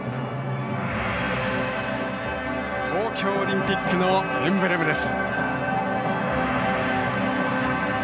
東京オリンピックのエンブレムです。